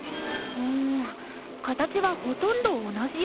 うん形はほとんど同じよね。